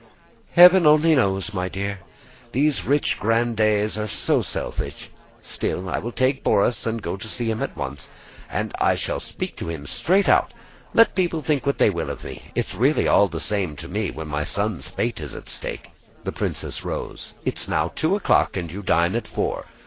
"Heaven only knows, my dear! These rich grandees are so selfish. Still, I will take Borís and go to see him at once, and I shall speak to him straight out. Let people think what they will of me, it's really all the same to me when my son's fate is at stake." The princess rose. "It's now two o'clock and you dine at four.